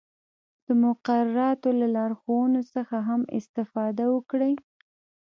د مقرراتو له لارښوونو څخه هم استفاده وکړئ.